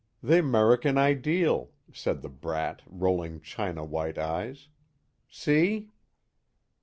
"The Merican Ideal," said the brat, rolling china white eyes. "See?"